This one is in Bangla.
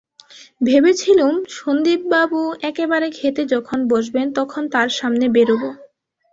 ভেবেছিলুম, সন্দীপবাবু একেবারে খেতে যখন বসবেন তখন তাঁর সামনে বেরোব।